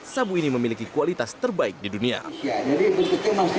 sabu ini memiliki nilai yang lebih tinggi dari nilai yang terkenal di indonesia